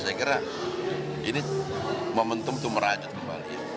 saya kira ini momentum itu merajat kembali